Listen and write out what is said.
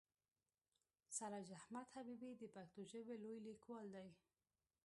سراج احمد حبیبي د پښتو ژبې لوی لیکوال دی.